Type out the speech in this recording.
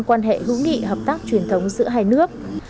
quan hệ hữu nghị hợp tác truyền thống giữa hai nước